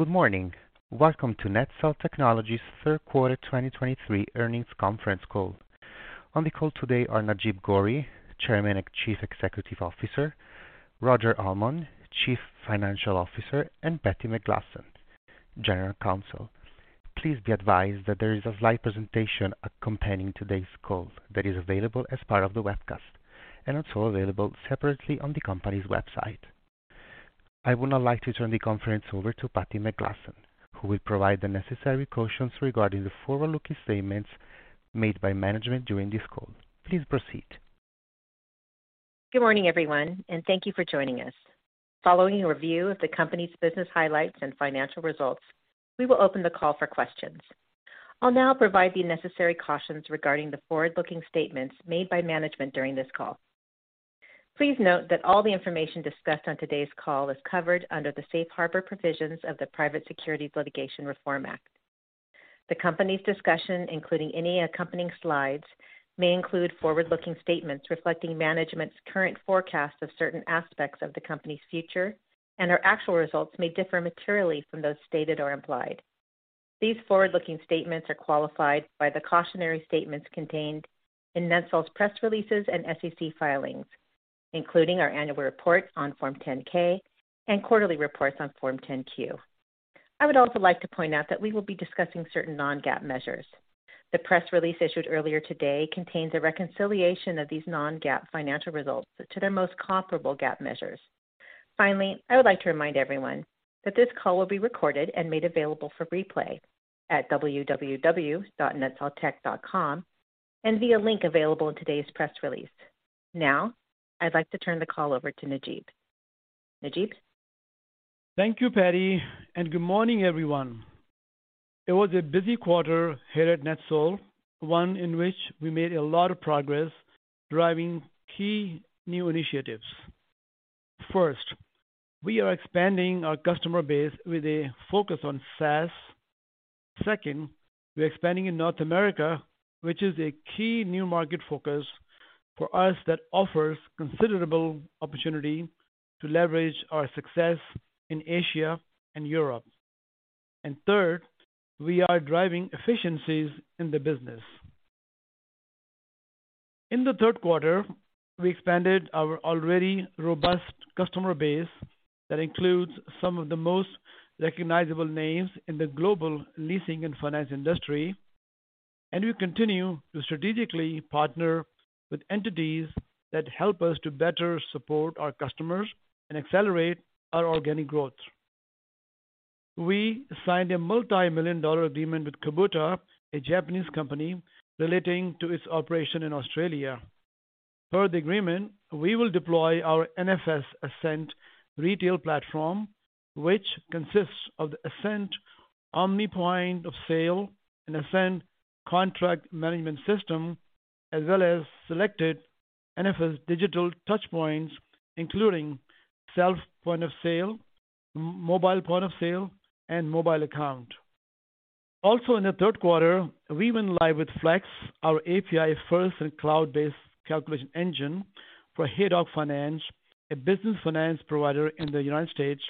Good morning. Welcome to NetSol Technologies third quarter 2023 earnings conference call. On the call today are Najeeb Ghauri, Chairman and Chief Executive Officer, Roger Almond, Chief Financial Officer, and Patti McGlasson, General Counsel. Please be advised that there is a slide presentation accompanying today's call that is available as part of the webcast and also available separately on the company's website. I would now like to turn the conference over to Patti McGlasson, who will provide the necessary cautions regarding the forward-looking statements made by management during this call. Please proceed. Good morning, everyone, and thank you for joining us. Following a review of the company's business highlights and financial results, we will open the call for questions. I'll now provide the necessary cautions regarding the forward-looking statements made by management during this call. Please note that all the information discussed on today's call is covered under the safe harbor provisions of the Private Securities Litigation Reform Act. The company's discussion, including any accompanying slides, may include forward-looking statements reflecting management's current forecast of certain aspects of the company's future, and our actual results may differ materially from those stated or implied. These forward-looking statements are qualified by the cautionary statements contained in NetSol's press releases and SEC filings, including our annual report on Form 10-K and quarterly reports on Form 10-Q. I would also like to point out that we will be discussing certain non-GAAP measures. The press release issued earlier today contains a reconciliation of these non-GAAP financial results to their most comparable GAAP measures. Finally, I would like to remind everyone that this call will be recorded and made available for replay at www.netsoltech.com and via link available in today's press release. Now, I'd like to turn the call over to Najeeb. Najeeb? Thank you, Patti, and good morning, everyone. It was a busy quarter here at NetSol, one in which we made a lot of progress driving key new initiatives. First, we are expanding our customer base with a focus on SaaS. Second, we're expanding in North America, which is a key new market focus for us that offers considerable opportunity to leverage our success in Asia and Europe. Third, we are driving efficiencies in the business. In the third quarter, we expanded our already robust customer base that includes some of the most recognizable names in the global leasing and finance industry. We continue to strategically partner with entities that help us to better support our customers and accelerate our organic growth. We signed a multi-million dollar agreement with Kubota, a Japanese company, relating to its operation in Australia. Per the agreement, we will deploy our NFS Ascent retail platform, which consists of the Ascent Omni Point of Sale and Ascent Contract Management System, as well as selected NFS Digital Touchpoints, including Self Point of Sale, Mobile Point-of-Sale, and mAccount. Also in the third quarter, we went live with Flex, our API-First and cloud-based calculation engine for Haydock Finance, a business finance provider in the United States.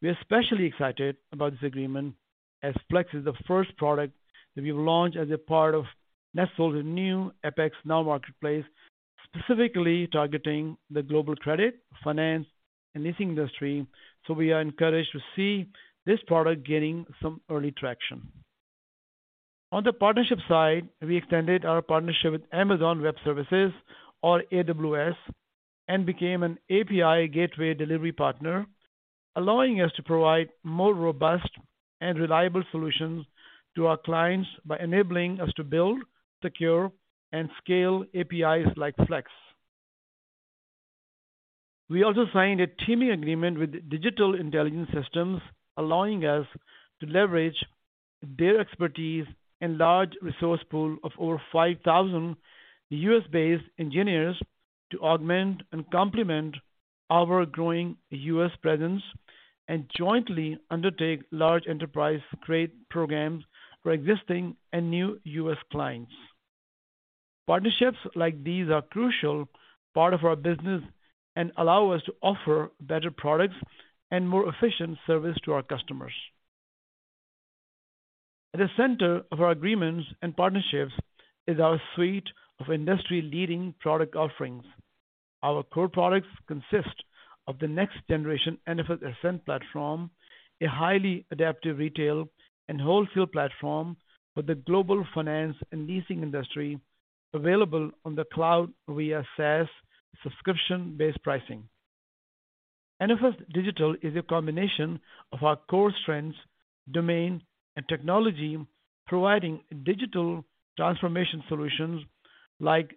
We are especially excited about this agreement as Flex is the first product that we've launched as a part of NetSol's new AppexNow Marketplace, specifically targeting the global credit, finance, and leasing industry. We are encouraged to see this product gaining some early traction. On the partnership side, we extended our partnership with Amazon Web Services or AWS and became an API gateway delivery partner, allowing us to provide more robust and reliable solutions to our clients by enabling us to build, secure, and scale APIs like Flex. We also signed a teaming agreement with Digital Intelligence Systems, allowing us to leverage their expertise and large resource pool of over 5,000 U.S.-based engineers to augment and complement our growing U.S. presence and jointly undertake large enterprise-grade programs for existing and new U.S. clients. Partnerships like these are crucial part of our business and allow us to offer better products and more efficient service to our customers. At the center of our agreements and partnerships is our suite of industry-leading product offerings. Our core products consist of the next generation NFS Ascent platform, a highly adaptive retail and wholesale platform for the global finance and leasing industry available on the cloud via SaaS subscription-based pricing. NFS Digital is a combination of our core strengths, domain, and technology, providing digital transformation solutions like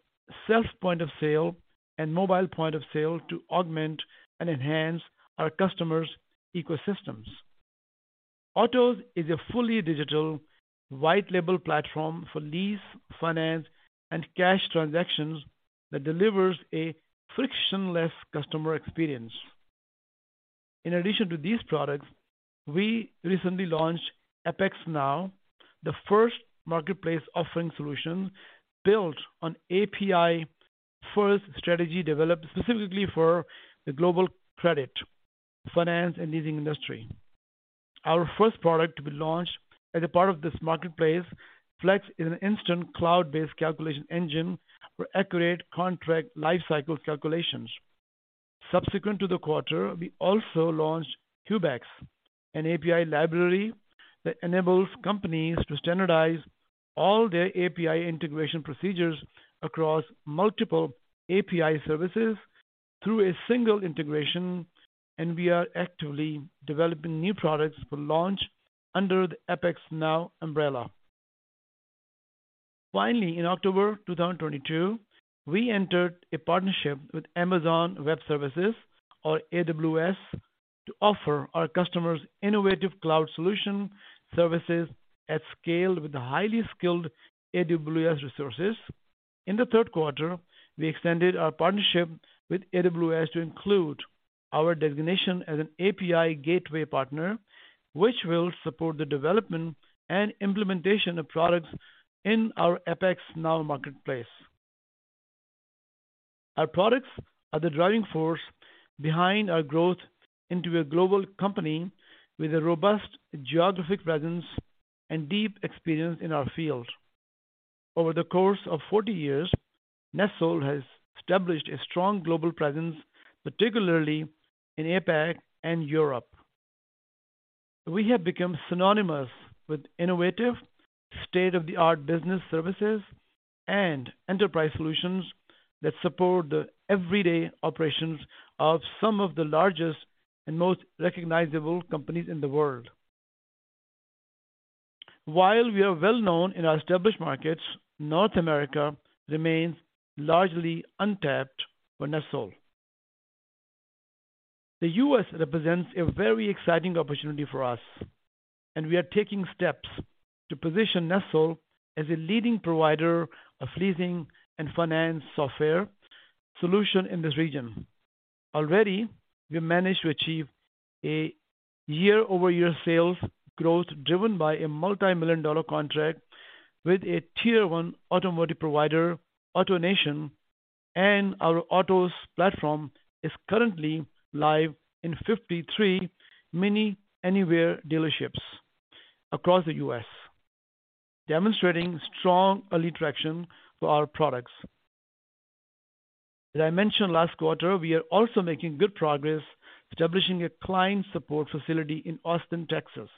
Self Point of Sale and Mobile Point-of-Sale to augment and enhance our customers' ecosystems. Otoz is a fully digital white label platform for lease, finance, and cash transactions that delivers a frictionless customer experience. In addition to these products, we recently launched AppexNow, the first marketplace offering solution built on API-First strategy developed specifically for the global credit, finance, and leasing industry. Our first product to be launched as a part of this marketplace, Flex, is an instant cloud-based calculation engine for accurate contract lifecycle calculations. Subsequent to the quarter, we also launched Cubex, an API library that enables companies to standardize all their API integration procedures across multiple API services through a single integration. We are actively developing new products for launch under the AppexNow umbrella. In October 2022, we entered a partnership with Amazon Web Services or AWS to offer our customers innovative cloud solution services at scale with highly skilled AWS resources. In the third quarter, we extended our partnership with AWS to include our designation as an API gateway partner, which will support the development and implementation of products in our AppexNow Marketplace. Our products are the driving force behind our growth into a global company with a robust geographic presence and deep experience in our field. Over the course of 40 years, NetSol has established a strong global presence, particularly in APAC and Europe. We have become synonymous with innovative state-of-the-art business services and enterprise solutions that support the everyday operations of some of the largest and most recognizable companies in the world. While we are well known in our established markets, North America remains largely untapped for NetSol. The U.S. represents a very exciting opportunity for us, and we are taking steps to position NetSol as a leading provider of leasing and finance software solution in this region. Already, we managed to achieve a year-over-year sales growth driven by a multimillion-dollar contract with a tier one automotive provider, AutoNation, and our Otoz platform is currently live in 53 MINI Anywhere dealerships across the U.S., demonstrating strong early traction for our products. As I mentioned last quarter, we are also making good progress establishing a client support facility in Austin, Texas,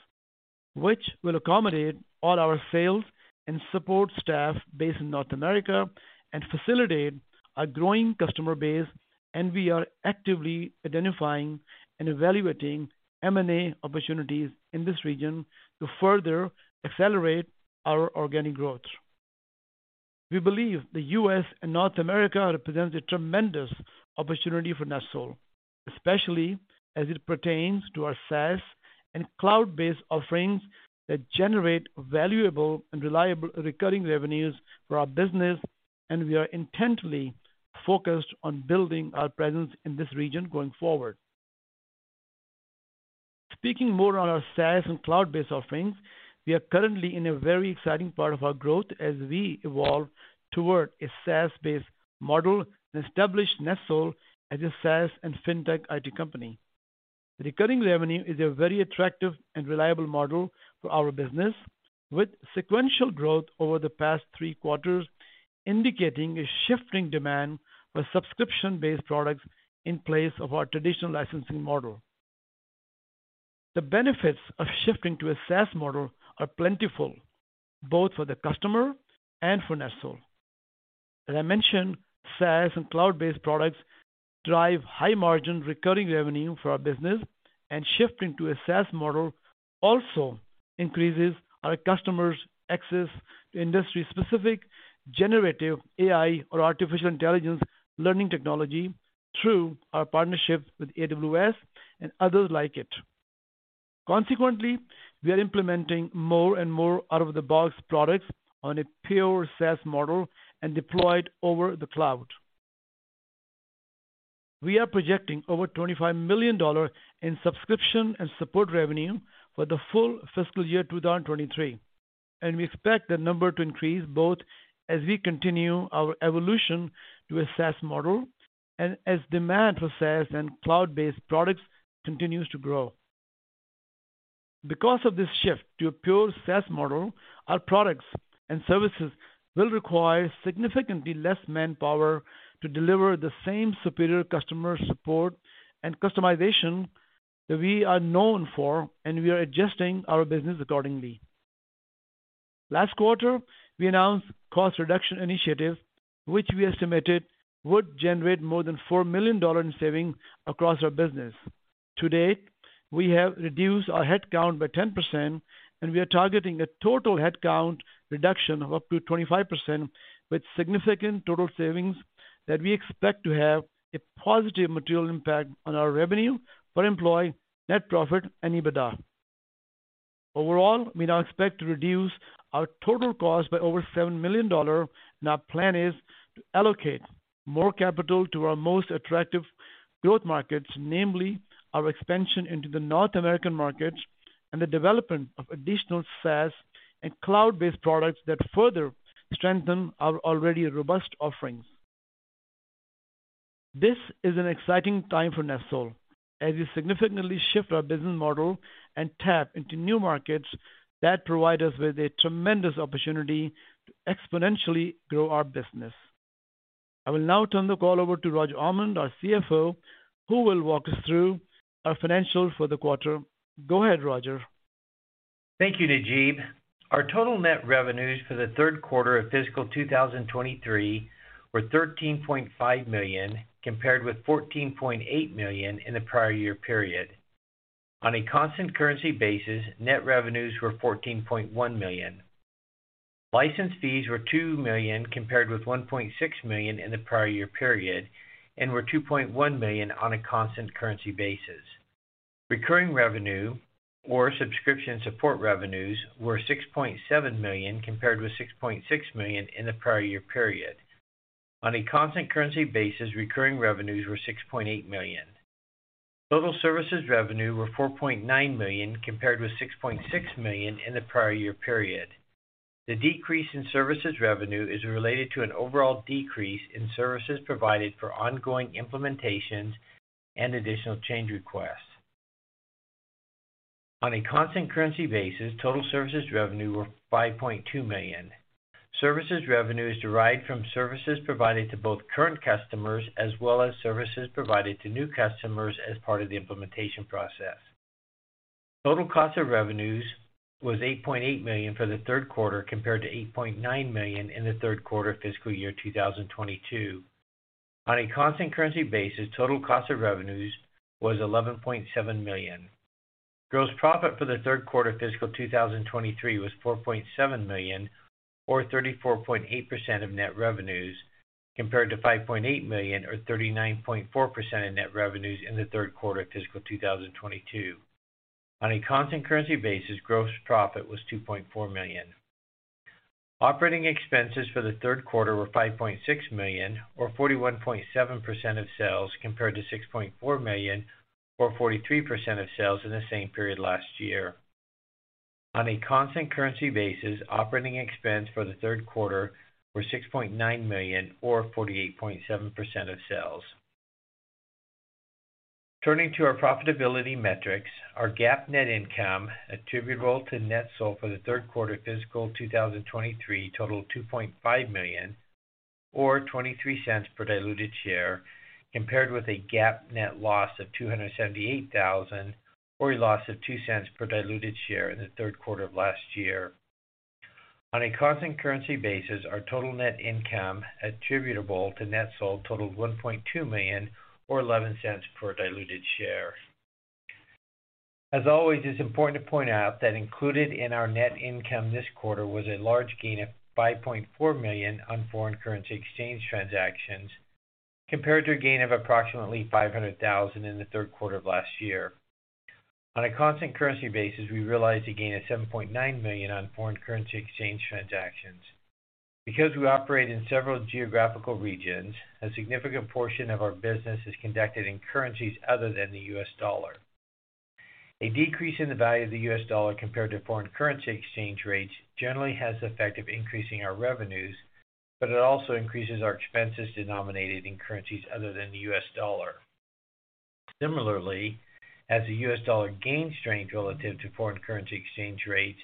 which will accommodate all our sales and support staff based in North America and facilitate a growing customer base, and we are actively identifying and evaluating M&A opportunities in this region to further accelerate our organic growth. We believe the U.S. and North America represents a tremendous opportunity for NetSol, especially as it pertains to our SaaS and cloud-based offerings that generate valuable and reliable recurring revenues for our business, and we are intently focused on building our presence in this region going forward. Speaking more on our SaaS and cloud-based offerings, we are currently in a very exciting part of our growth as we evolve toward a SaaS-based model and establish NetSol as a SaaS and Fintech IT company. Recurring revenue is a very attractive and reliable model for our business, with sequential growth over the past three quarters indicating a shifting demand for subscription-based products in place of our traditional licensing model. The benefits of shifting to a SaaS model are plentiful, both for the customer and for NetSol. As I mentioned, SaaS and cloud-based products drive high margin recurring revenue for our business, and shifting to a SaaS model also increases our customers' access to industry-specific generative AI or artificial intelligence learning technology through our partnership with AWS and others like it. Consequently, we are implementing more and more out-of-the-box products on a pure SaaS model and deployed over the cloud. We are projecting over $25 million in subscription and support revenue for the full fiscal year 2023, and we expect that number to increase both as we continue our evolution to a SaaS model and as demand for SaaS and cloud-based products continues to grow. Because of this shift to a pure SaaS model, our products and services will require significantly less manpower to deliver the same superior customer support and customization that we are known for, and we are adjusting our business accordingly. Last quarter, we announced cost reduction initiative, which we estimated would generate more than $4 million in saving across our business. To date, we have reduced our headcount by 10%. We are targeting a total headcount reduction of up to 25% with significant total savings that we expect to have a positive material impact on our revenue for employee net profit and EBITDA. Overall, we now expect to reduce our total cost by over $7 million. Our plan is to allocate more capital to our most attractive growth markets, namely our expansion into the North American market and the development of additional SaaS and cloud-based products that further strengthen our already robust offerings. This is an exciting time for NetSol as we significantly shift our business model and tap into new markets that provide us with a tremendous opportunity to exponentially grow our business. I will now turn the call over to Roger Almond, our CFO, who will walk us through our financials for the quarter. Go ahead, Roger. Thank you, Najeeb. Our total net revenues for the third quarter of fiscal 2023 were $13.5 million, compared with $14.8 million in the prior year period. On a constant currency basis, net revenues were $14.1 million. License fees were $2 million compared with $1.6 million in the prior year period and were $2.1 million on a constant currency basis. Recurring revenue or subscription support revenues were $6.7 million, compared with $6.6 million in the prior year period. On a constant currency basis, recurring revenues were $6.8 million. Total services revenue were $4.9 million, compared with $6.6 million in the prior year period. The decrease in services revenue is related to an overall decrease in services provided for ongoing implementations and additional change requests. On a constant currency basis, total services revenue were $5.2 million. Services revenue is derived from services provided to both current customers as well as services provided to new customers as part of the implementation process. Total cost of revenues was $8.8 million for the third quarter, compared to $8.9 million in the third quarter of fiscal year 2022. On a constant currency basis, total cost of revenues was $11.7 million. Gross profit for the third quarter of fiscal 2023 was $4.7 million or 34.8% of net revenues, compared to $5.8 million or 39.4% of net revenues in the third quarter of fiscal 2022. On a constant currency basis, gross profit was $2.4 million. Operating expenses for the third quarter were $5.6 million or 41.7% of sales, compared to $6.4 million or 43% of sales in the same period last year. On a constant currency basis, operating expense for the third quarter were $6.9 million or 48.7% of sales. Turning to our profitability metrics, our GAAP net income attributable to NetSol for the third quarter of fiscal 2023 totaled $2.5 million or $0.23 per diluted share, compared with a GAAP net loss of $278,000 or a loss of $0.02 per diluted share in the third quarter of last year. On a constant currency basis, our total net income attributable to NetSol totaled $1.2 million or $0.11 per diluted share. As always, it's important to point out that included in our net income this quarter was a large gain of $5.4 million on foreign currency exchange transactions, compared to a gain of approximately $500,000 in the third quarter of last year. On a constant currency basis, we realized a gain of $7.9 million on foreign currency exchange transactions. Because we operate in several geographical regions, a significant portion of our business is conducted in currencies other than the U.S. dollar. A decrease in the value of the U.S. dollar compared to foreign currency exchange rates generally has the effect of increasing our revenues, but it also increases our expenses denominated in currencies other than the U.S. dollar. Similarly, as the U.S. dollar gains strength relative to foreign currency exchange rates,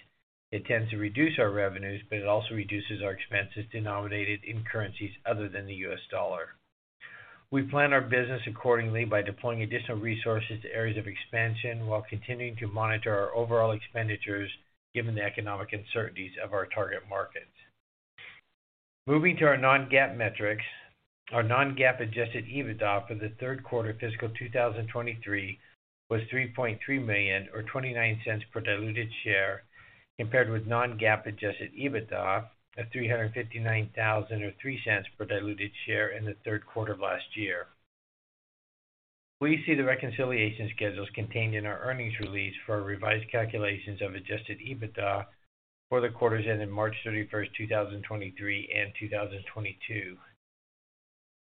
it tends to reduce our revenues, but it also reduces our expenses denominated in currencies other than the U.S. dollar. We plan our business accordingly by deploying additional resources to areas of expansion while continuing to monitor our overall expenditures given the economic uncertainties of our target markets. Moving to our non-GAAP metrics. Our non-GAAP adjusted EBITDA for the third quarter of fiscal 2023 was $3.3 million or $0.29 per diluted share, compared with non-GAAP adjusted EBITDA of $359,000 or $0.03 per diluted share in the third quarter of last year. Please see the reconciliation schedules contained in our earnings release for our revised calculations of adjusted EBITDA for the quarters ending March 31, 2023 and 2022.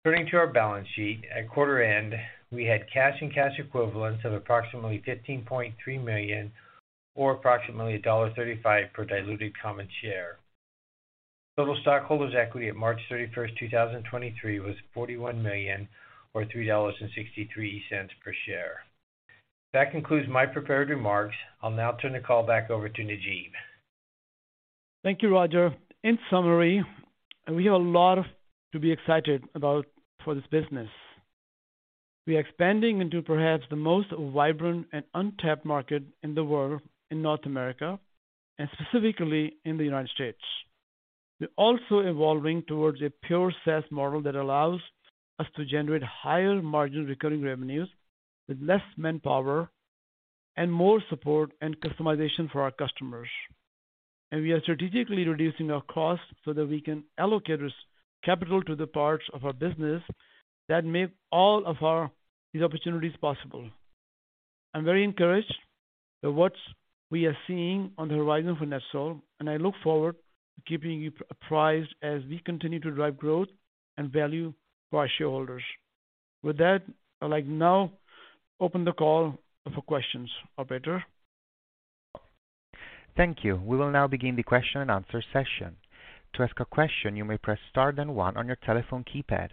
Turning to our balance sheet, at quarter end, we had cash and cash equivalents of approximately $15.3 million or approximately $1.35 per diluted common share. Total stockholders' equity at March 31st, 2023 was $41 million or $3.63 per share. That concludes my prepared remarks. I'll now turn the call back over to Najeeb. Thank you, Roger. In summary, we have a lot to be excited about for this business. We are expanding into perhaps the most vibrant and untapped market in the world, in North America, and specifically in the United States. We're also evolving towards a pure SaaS model that allows us to generate higher margin recurring revenues with less manpower and more support and customization for our customers. We are strategically reducing our costs so that we can allocate this capital to the parts of our business that make these opportunities possible. I'm very encouraged by what we are seeing on the horizon for NetSol, and I look forward to keeping you apprised as we continue to drive growth and value for our shareholders. With that, I'd like now open the call for questions. Operator? Thank you. We will now begin the question and answer session. To ask a question, you may press star then one on your telephone keypad.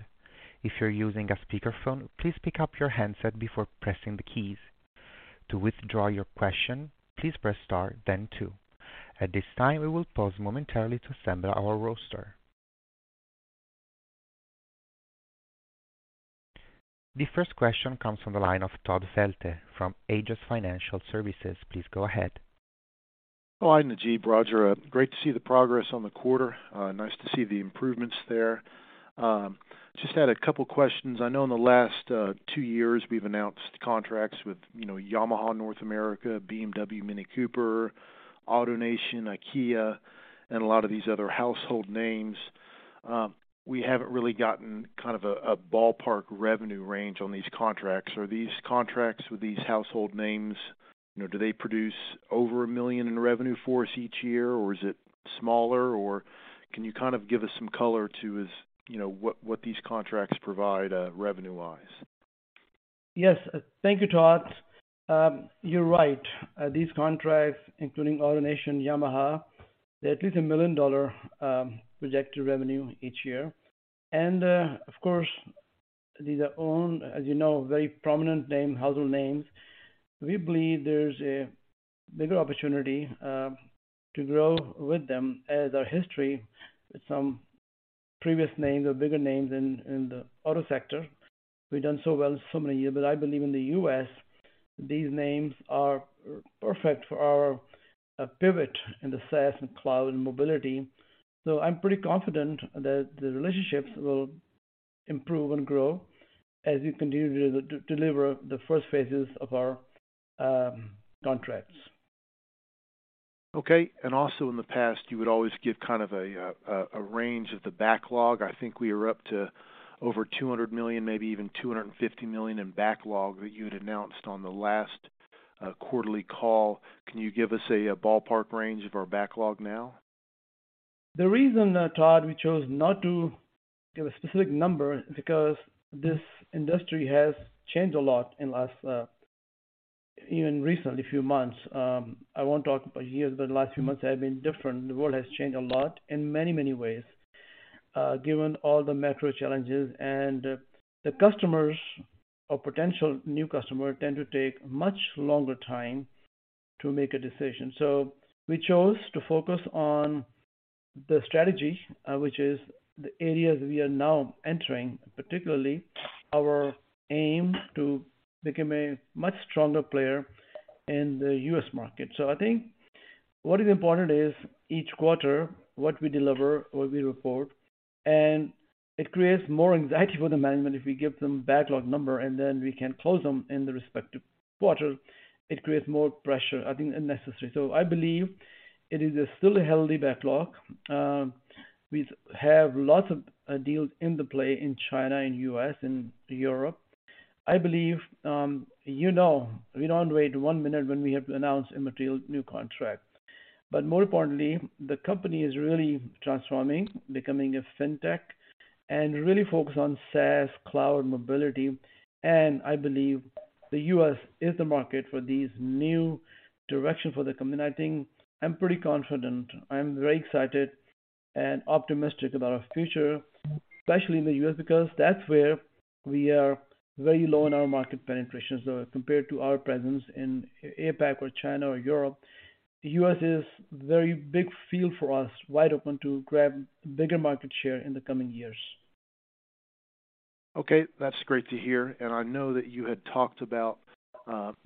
If you're using a speakerphone, please pick up your handset before pressing the keys. To withdraw your question, please press star then two. At this time, we will pause momentarily to assemble our roster. The first question comes from the line of Todd Felte from AGES Financial Services. Please go ahead. Hi, Najeeb, Roger. Great to see the progress on the quarter. Nice to see the improvements there. Just had a couple questions. I know in the last, two years we've announced contracts with, you know, Yamaha North America, BMW Mini Cooper, AutoNation, IKEA, and a lot of these other household names. We haven't really gotten kind of a ballpark revenue range on these contracts. Are these contracts with these household names, you know, do they produce over $1 million in revenue for us each year, or is it smaller? Or can you kind of give us some color to, as, you know, what these contracts provide, revenue-wise? Yes. Thank you, Todd. You're right. These contracts, including AutoNation, Yamaha, they're at least a $1 million projected revenue each year. Of course, these are own, as you know, very prominent name, household names. We believe there's a bigger opportunity to grow with them as our history with some previous names or bigger names in the auto sector. We've done so well so many years. I believe in the U.S., these names are perfect for our pivot in the SaaS and cloud and mobility. I'm pretty confident that the relationships will improve and grow as we continue to de-deliver the first phases of our contracts. Okay. Also in the past, you would always give kind of a range of the backlog. I think we were up to over $200 million, maybe even $250 million in backlog that you had announced on the last quarterly call. Can you give us a ballpark range of our backlog now? The reason, Todd, we chose not to give a specific number is because this industry has changed a lot in the last even recent, a few months. I won't talk about years, but the last few months have been different. The world has changed a lot in many, many ways, given all the macro challenges. The customers or potential new customer tend to take much longer time to make a decision. We chose to focus on the strategy, which is the areas we are now entering, particularly our aim to become a much stronger player in the U.S. market. I think what is important is each quarter, what we deliver, what we report, and it creates more anxiety for the management if we give them backlog number and then we can close them in the respective quarter. It creates more pressure, I think, unnecessary. I believe it is a still a healthy backlog. We have lots of deals in the play in China, in U.S., in Europe. I believe, you know, we don't wait one minute when we have to announce a material new contract. More importantly, the company is really transforming, becoming a fintech and really focused on SaaS, cloud, mobility. I believe the U.S. is the market for these new direction for the company. I think I'm pretty confident. I'm very excited and optimistic about our future, especially in the U.S., because that's where we are very low in our market penetration. Compared to our presence in APAC or China or Europe, the U.S. is very big field for us, wide open to grab bigger market share in the coming years. Okay, that's great to hear. I know that you had talked about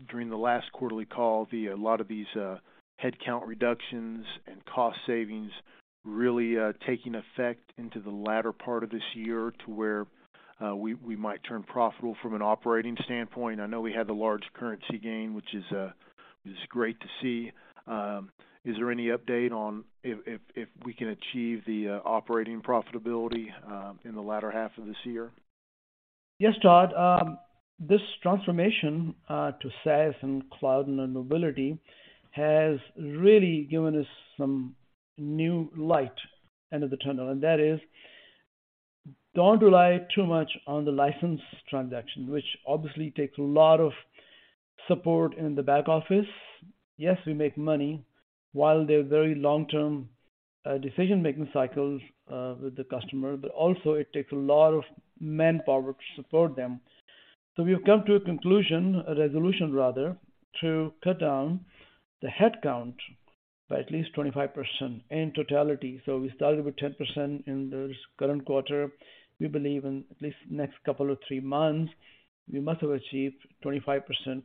during the last quarterly call, a lot of these headcount reductions and cost savings really taking effect into the latter part of this year to where we might turn profitable from an operating standpoint. I know we had the large currency gain, which is great to see. Is there any update on if we can achieve the operating profitability in the latter half of this year? Yes, Todd. This transformation to SaaS and cloud and mobility has really given us some new light end of the tunnel, and that is don't rely too much on the license transaction, which obviously takes a lot of support in the back office. Yes, we make money while they're very long-term decision-making cycles with the customer, but also it takes a lot of manpower to support them. We have come to a conclusion, a resolution rather, to cut down the headcount by at least 25% in totality. We started with 10% in this current quarter. We believe in at least next couple of three months, we must have achieved 25%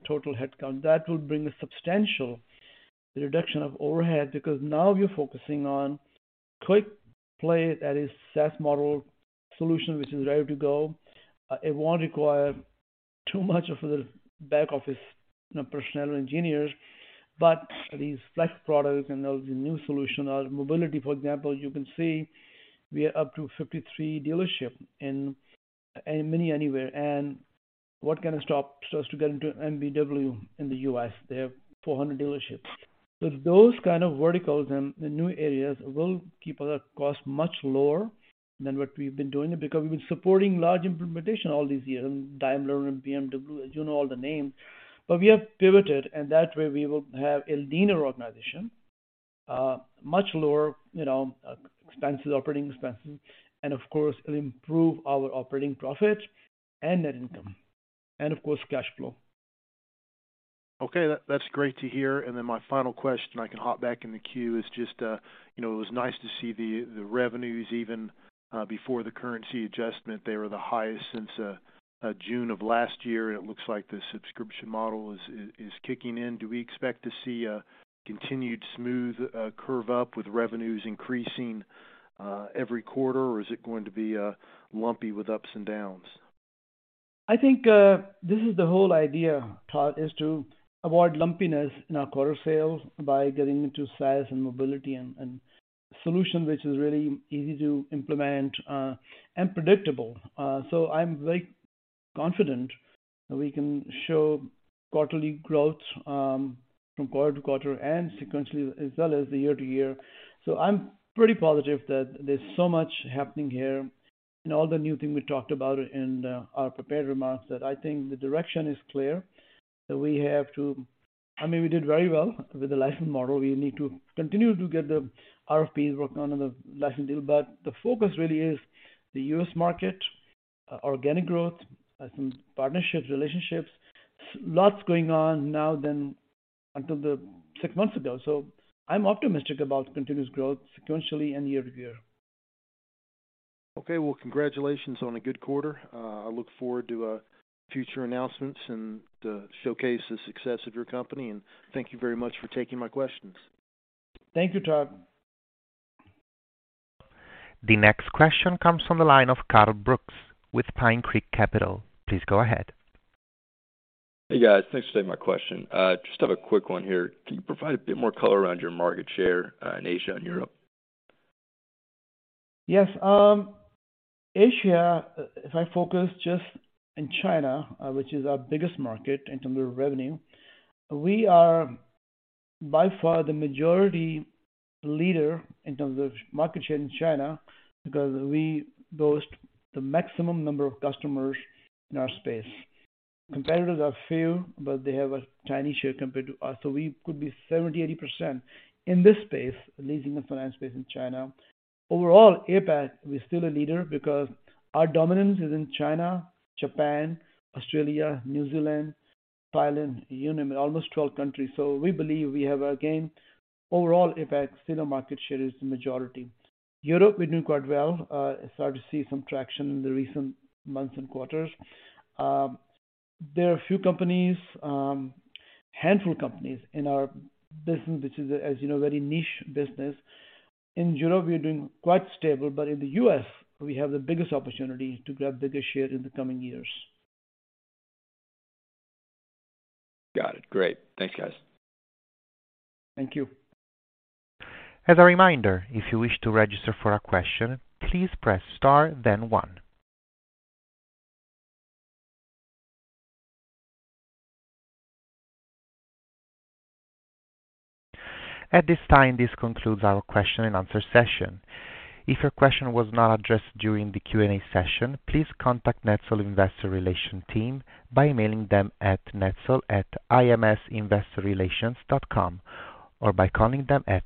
total headcount. That will bring a substantial reduction of overhead because now we are focusing on quick play that is SaaS model solution which is ready to go. It won't require too much of the back office personnel engineers, but these Flex products and those, the new solution, our mobility, for example, you can see we are up to 53 dealership in MINI Anywhere. What can stop us to get into BMW in the U.S.? They have 400 dealerships. Those kind of verticals in new areas will keep our costs much lower than what we've been doing because we've been supporting large implementation all these years, Daimler and BMW, you know all the names. We have pivoted, and that way we will have a leaner organization, much lower, you know, expenses, operating expenses, and of course, improve our operating profits and net income and of course, cash flow. Okay. That's great to hear. My final question, I can hop back in the queue, is just, you know, it was nice to see the revenues even before the currency adjustment. They were the highest since June of 2023. It looks like the subscription model is kicking in. Do we expect to see a continued smooth curve up with revenues increasing every quarter? Or is it going to be lumpy with ups and downs? I think this is the whole idea, Todd, is to avoid lumpiness in our quarter sales by getting into SaaS and mobility and solution, which is really easy to implement and predictable. I'm very confident that we can show quarterly growth from quarter to quarter and sequentially as well as the year-to-year. I'm pretty positive that there's so much happening here and all the new thing we talked about in our prepared remarks that I think the direction is clear. I mean, we did very well with the license model. We need to continue to get the RFPs working on in the license deal. The focus really is the U.S. market, organic growth, some partnerships, relationships. Lots going on now than until the six months ago. I'm optimistic about continuous growth sequentially and year-to-year. Okay. Well, congratulations on a good quarter. I look forward to future announcements and to showcase the success of your company. Thank you very much for taking my questions. Thank you, Todd. The next question comes from the line of Carl Brooks with Pine Creek Capital. Please go ahead. Hey, guys. Thanks for taking my question. Just have a quick one here. Can you provide a bit more color around your market share, in Asia and Europe? Yes. Asia, if I focus just in China, which is our biggest market in terms of revenue, we are by far the majority leader in terms of market share in China because we boast the maximum number of customers in our space. Competitors are few, but they have a tiny share compared to us. We could be 70%-80% in this space, leasing and finance space in China. Overall, APAC, we're still a leader because our dominance is in China, Japan, Australia, New Zealand, Thailand, you name it, almost 12 countries. We believe we have, again, overall APAC still our market share is the majority. Europe, we're doing quite well. Start to see some traction in the recent months and quarters. There are a few companies, handful of companies in our business, which is, as you know, very niche business. In Europe, we are doing quite stable, but in the U.S., we have the biggest opportunity to grab bigger share in the coming years. Got it. Great. Thanks, guys. Thank you. As a reminder, if you wish to register for a question, please press star then one. At this time, this concludes our question and answer session. If your question was not addressed during the Q&A session, please contact NetSol investor relations team by emailing them at netsol@imsinvestorrelations.com or by calling them at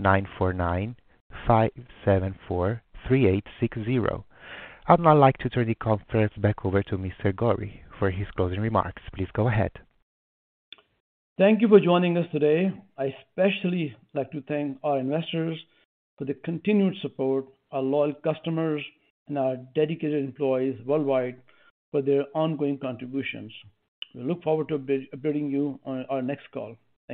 949-574-3860. I'd now like to turn the conference back over to Mr. Ghauri for his closing remarks. Please go ahead. Thank you for joining us today. I especially like to thank our investors for the continued support, our loyal customers and our dedicated employees worldwide for their ongoing contributions. We look forward to updating you on our next call.